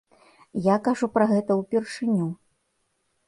Я кажу пра гэта ўпершыню.